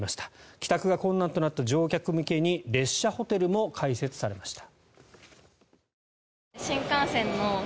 帰宅が困難となった乗客向けに列車ホテルも開設されました。